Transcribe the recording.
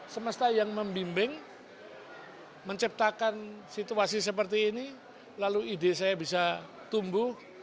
semesta yang membimbing menciptakan situasi seperti ini lalu ide saya bisa tumbuh